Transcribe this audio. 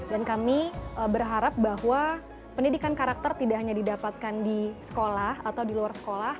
dan kami berharap bahwa pendidikan karakter tidak hanya didapatkan di sekolah atau di luar sekolah